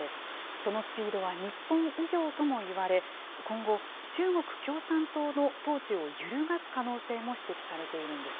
そのスピードは日本以上ともいわれ、今後、中国共産党の統治を揺るがす可能性も指摘されているんです。